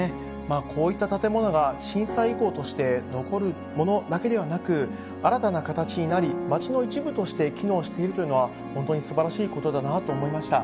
こういった建物が震災遺構として残るものだけではなく、新たな形になり、町の一部として機能しているというのは、本当にすばらしいことだなと思いました。